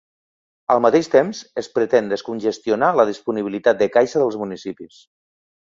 Al mateix temps, es pretén descongestionar la disponibilitat de caixa dels municipis.